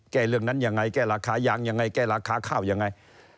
เรื่องนั้นยังไงแก้ราคายางยังไงแก้ราคาข้าวยังไง